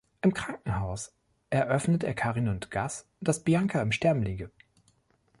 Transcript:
Im Krankenhaus eröffnet er Karin und Gus, dass Bianca im Sterben liege.